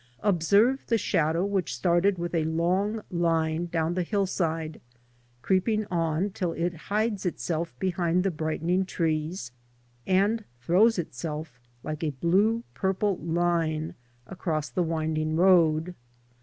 Observe the shadow which started with a long line down the hillside, creeping on till it hides itself behind the brightening trees, and throws itself like a blue purple line across the winding road.